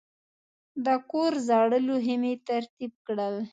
د کور زاړه لوښي مې ترتیب کړل.